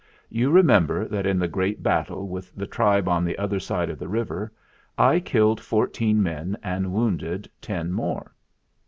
You remember that in the great battle with the tribe on the other side of the river I killed four teen men and wounded ten more."